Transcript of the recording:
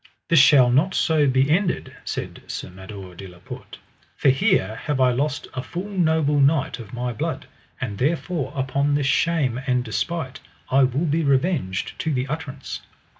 This shall not so be ended, said Sir Mador de la Porte, for here have I lost a full noble knight of my blood; and therefore upon this shame and despite I will be revenged to the utterance.